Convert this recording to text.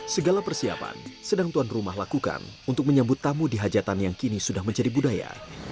segala persiapan sedang tuan rumah lakukan untuk menyambut tamu di hajatan yang kini sudah menjadi budaya